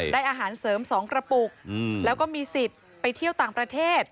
ได้อาหารเสริม๒กระปุกแล้วก็มีสิทธิ์ไปเที่ยวต่างประเทศ